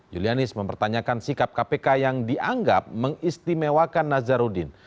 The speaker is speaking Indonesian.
julianis mempertanyakan sikap kpk yang dianggap mengistimewakan nazarudin